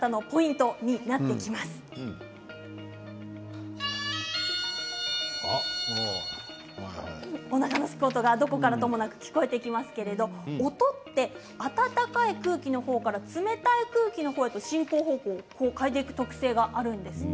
チャルメラの音おなかのすく音がどこからともなく聞こえてきますけれども音は暖かい空気から冷たい空気へと進行方向を変えていく特性があるんです。